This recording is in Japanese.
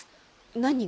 何が？